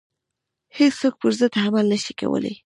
هیڅوک پر ضد عمل نه شي کولای.